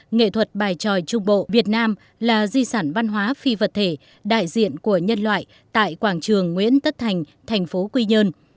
nghệ thuật bài tròi trung bộ việt nam là di sản văn hóa phi vật thể đại diện của nhân loại tại quảng trường nguyễn tất thành thành phố quy nhơn